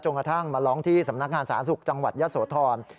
กระทั่งมาร้องที่สำนักงานสาธารณสุขจังหวัดยะโสธร